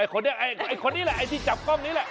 คนนี้ไอ้คนนี้แหละไอ้ที่จับกล้องนี้แหละ